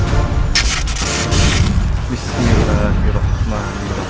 hari ini aku akan membunuh